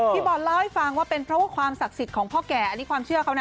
พี่บอลเล่าให้ฟังว่าเป็นเพราะว่าความศักดิ์สิทธิ์ของพ่อแก่อันนี้ความเชื่อเขานะ